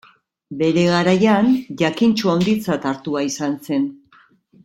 Bere garaian jakintsu handitzat hartua izan zen.